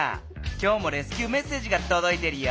きょうもレスキューメッセージがとどいてるよ！